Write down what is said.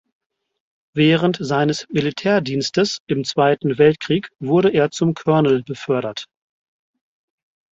Während seines Militärdienstes im Zweiten Weltkrieg wurde er zum Colonel befördert.